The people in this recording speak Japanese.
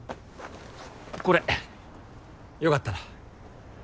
これよかったら。